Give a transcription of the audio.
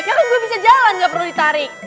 ya kan gue bisa jalan gak perlu ditarik